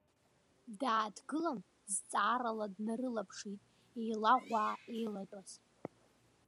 Дааҭгылан зҵаарала днарылаԥшит еилаӷәаа еилатәаз.